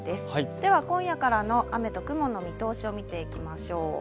では今夜からの雨と雲の見通しを見ていきましょう。